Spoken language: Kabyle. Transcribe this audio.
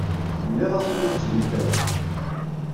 Tenniḍ-asent ur ttgent aya.